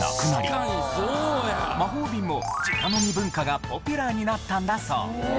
魔法瓶も直飲み文化がポピュラーになったんだそう。